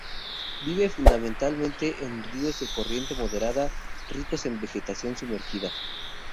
Vive fundamentalmente en ríos de corriente moderada ricos en vegetación sumergida.